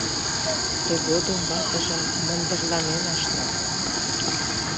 Тыгодым ватыжым мындырланен ашна...